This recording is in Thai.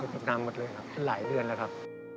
ตกน้ำหมดเลยครับหลายเดือนแล้วครับ